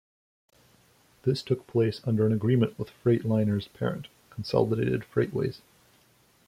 This took place under an agreement with Freightliner's parent, Consolidated Freightways.